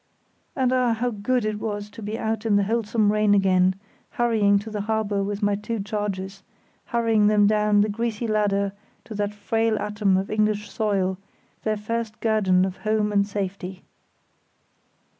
And ah! how good it was to be out in the wholesome rain again, hurrying to the harbour with my two charges, hurrying them down the greasy ladder to that frail atom of English soil, their first guerdon of home and safety.